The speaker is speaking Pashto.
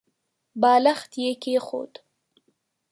بالښت يې کېښود.